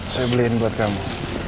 saya beliin buat kamu